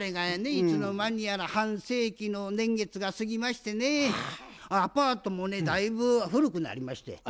いつの間にやら半世紀の年月が過ぎましてねアパートもねだいぶ古くなりまして。